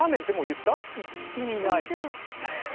言っていない。